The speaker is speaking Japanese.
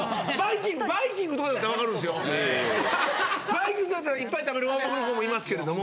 バイキングだったらいっぱい食べるわんぱくな子もいますけれども。